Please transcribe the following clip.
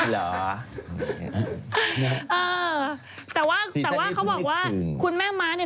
แต่ว่าเขาบอกคุณแม่ม้านี่